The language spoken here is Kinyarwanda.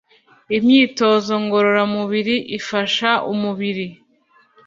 Imyitozo ngororamubiri ifasha umubiri